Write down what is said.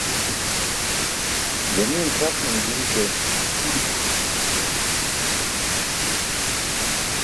Zami̇n tʰraq manibim ke ulo gi̇c̣umce.